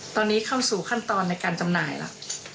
ตอนนี้เข้าสู่ขั้นตอนในการจำหน่ายแล้ว